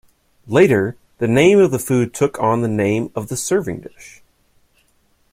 Later, the name of the food took on the name of the serving dish.